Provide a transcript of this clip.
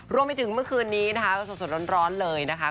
รวมไปถึงเมื่อคืนนี้นะครับส่วนร้อนเลยนะครับ